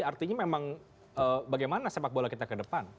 artinya memang bagaimana sepak bola kita ke depan